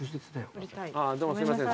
ああどうもすいません。